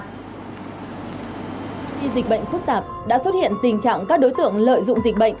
khi dịch bệnh phức tạp đã xuất hiện tình trạng các đối tượng lợi dụng dịch bệnh